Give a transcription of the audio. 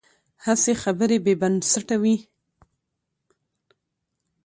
هسې خبرې بې بنسټه وي.